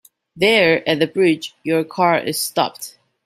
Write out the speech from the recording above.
There — at the bridge — your car is stopped.